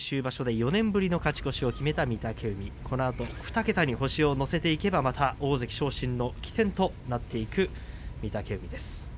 ４年ぶりの勝ち越しを決めた御嶽海、このあと２桁に星を乗せていけばまた大関昇進の基点となっていく御嶽海です。